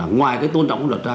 ngoài cái tôn trọng luật ra